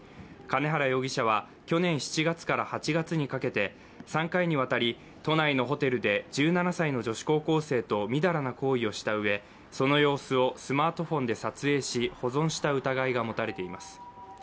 兼原容疑者は去年７月から８月にかけて３回にわたり都内のホテルで１７歳の女子高校生と淫らな行為をしたうえその様子をスマートフォンで撮影し、保存した疑いが持たれています。